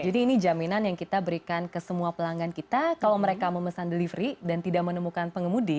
jadi ini jaminan yang kita berikan ke semua pelanggan kita kalau mereka memesan delivery dan tidak menemukan pengemudi